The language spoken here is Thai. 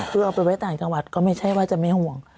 คือเอาไปไว้ต่างจังหวัดก็ไม่ใช่ว่าจะไม่ห่วง